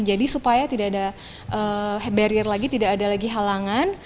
jadi supaya tidak ada barrier lagi tidak ada lagi halangan